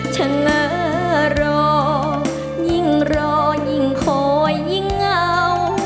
ชะเงอรอยิ่งรอยิ่งขอยยิ่งเงา